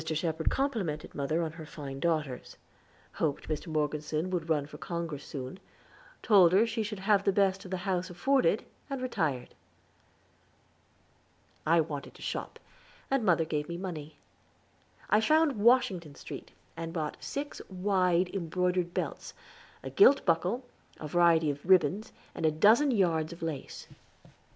Shepherd complimented mother on her fine daughters; hoped Mr. Morgeson would run for Congress soon told her she should have the best the house afforded, and retired. I wanted to shop, and mother gave me money. I found Washington Street, and bought six wide, embroidered belts, a gilt buckle, a variety of ribbons, and a dozen yards of lace.